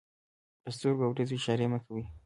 په سترګو او وريځو اشارې مه کوئ!